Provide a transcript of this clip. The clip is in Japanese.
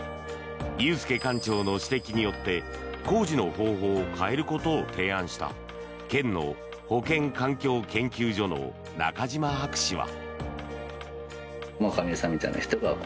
裕介館長の指摘によって工事の方法を変えることを提案した県の保健環境研究所の中島博士は。